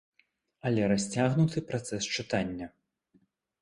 Але расцягнуты працэс чытання.